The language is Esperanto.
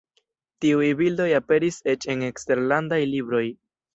Tiuj bildoj aperis eĉ en eksterlandaj libroj.